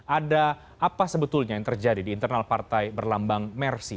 ada apa sebetulnya yang terjadi di internal partai berlambang mersi